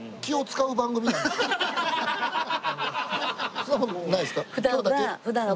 そんな事ないですか？